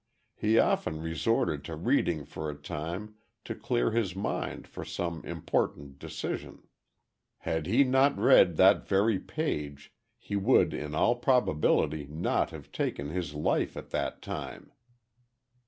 He often resorted to reading for a time to clear his mind for some important decision. Had he not read that very page, he would in all probability not have taken his life at that time."